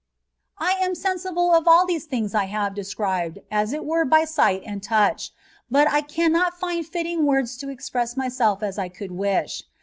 I am sensible of ali these things I bave described as it were by sight and touch, but I cannot find fitting words to express myself as I could wish.